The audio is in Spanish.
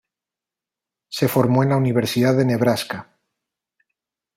Se formó en la Universidad de Nebraska.